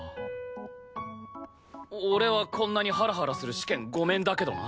俺はこんなにハラハラする試験ごめんだけどな。